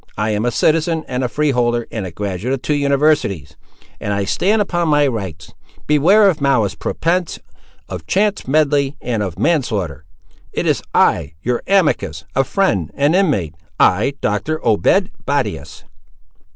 I am a citizen, and a freeholder, and a graduate of two universities; and I stand upon my rights! Beware of malice prepense, of chance medley, and of manslaughter. It is I—your amicus; a friend and inmate. I—Dr. Obed Battius."